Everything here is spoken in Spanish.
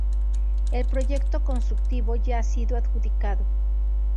El proyecto constructivo ya ha sido adjudicado.